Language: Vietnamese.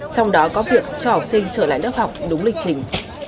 trong đó có việc cho học sinh trở lại lớp học đúng lịch trình